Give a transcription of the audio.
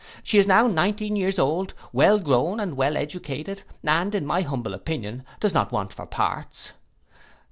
She is now nineteen years old, well grown and well educated, and, in my humble opinion, does not want for parts.